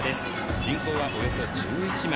人口はおよそ１１万。